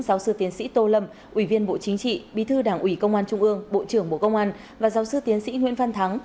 giáo sư tiến sĩ tô lâm ủy viên bộ chính trị bí thư đảng ủy công an trung ương bộ trưởng bộ công an và giáo sư tiến sĩ nguyễn văn thắng